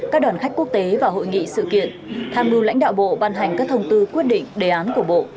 các đoàn khách quốc tế và hội nghị sự kiện tham mưu lãnh đạo bộ ban hành các thông tư quyết định đề án của bộ